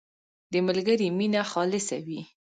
• د ملګري مینه خالصه وي.